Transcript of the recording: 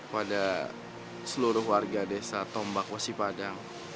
pada seluruh warga desa tombak wesi padang